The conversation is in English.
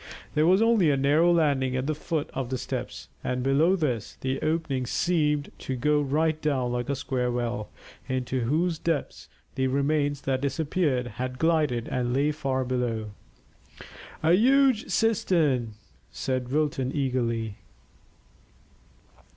There was only a narrow landing at the foot of the steps, and below this the opening seemed to go right down like a square well, into whose depths the remains that disappeared had glided and lay far below. "A huge cistern," said Wilton eagerly.